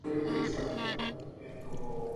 It is dedicated to the Exaltation of the Holy Cross.